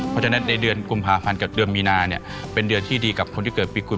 เพราะฉะนั้นในเดือนกุมภาพันธ์กับเดือนมีนาเนี่ยเป็นเดือนที่ดีกับคนที่เกิดปีกุล